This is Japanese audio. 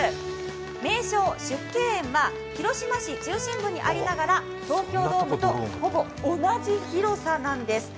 名勝縮景園は広島市中心部にありながら東京ドームとほぼ同じ広さなんです。